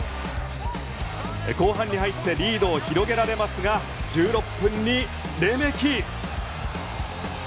後半に入ってリードを広げられますが１６分にレメキ。